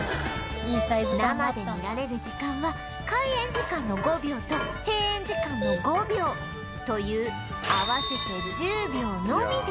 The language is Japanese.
生で見られる時間は開園時間の５秒と閉園時間の５秒という合わせて１０秒のみですが